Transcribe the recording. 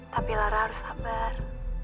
tapi lara harus sabar